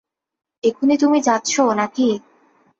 এখুনি তুমি যাচ্ছ না কি?